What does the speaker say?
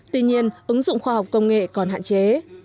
tuy nhiên ứng dụng khoa học công nghệ còn hạn chế